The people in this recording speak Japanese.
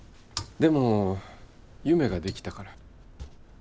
でも夢ができたから。